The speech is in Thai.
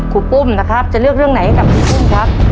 รูปุ้มนะครับจะเลือกเรื่องไหนให้กับครูปุ้มครับ